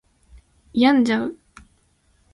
病んじゃう